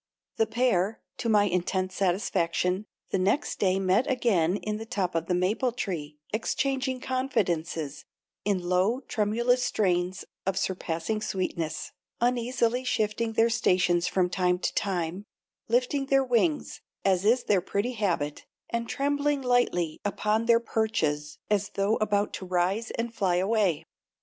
The pair, to my intense satisfaction, the next day met again in the top of the maple tree exchanging confidences in low, tremulous strains of surpassing sweetness, uneasily shifting their stations from time to time, lifting their wings, as is their pretty habit, and trembling lightly upon their perches as though about to rise and fly away.